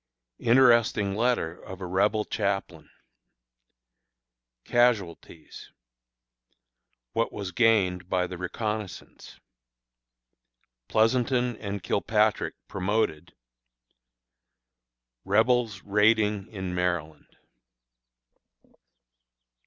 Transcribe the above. Interesting Letter of a Rebel Chaplain. Casualties. What was Gained by the Reconnoissance. Pleasonton and Kilpatrick Promoted. Rebels Raiding in Maryland.